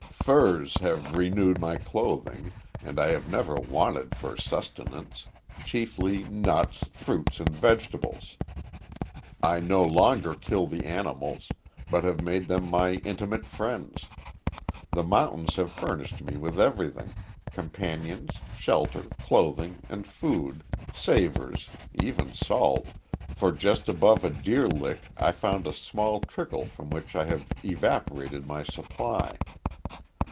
Furs have renewed my clothing, and I have never wanted for sustenance chiefly nuts, fruits and vegetables. I no longer kill the animals, but have made them my intimate friends. The mountains have furnished me with everything companions, shelter, clothing and food, savors even salt, for just above a deer lick I found a small trickle from which I have evaporated my supply.